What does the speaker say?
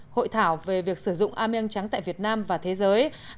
hội thảo về việc sử dụng ameang trắng tại việt nam và thế giới